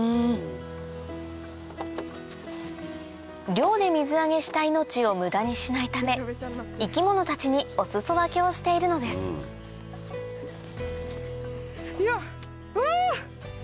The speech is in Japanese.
漁で水揚げした命を無駄にしないため生き物たちにお裾分けをしているのですよっ！わ！